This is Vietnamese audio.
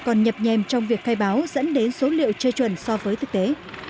còn nhập nhèm trong việc khai báo dẫn đến số liệu chơi chuẩn so với thực tế